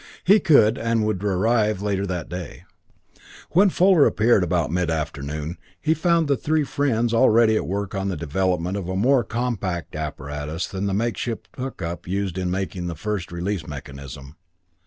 He could, and would arrive later that day. When Fuller appeared about mid afternoon, he found the three friends already at work on the development of a more compact apparatus than the makeshift hookup used in making that first release mechanism.